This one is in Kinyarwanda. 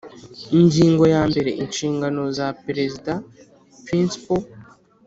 Ingingo ya mbere Inshingano zaperezida Principal